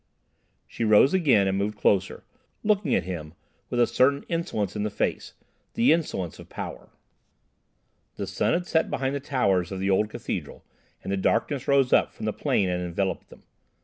She rose again and moved closer, looking at him with a certain insolence in the face—the insolence of power. The sun had set behind the towers of the old cathedral and the darkness rose up from the plain and enveloped them.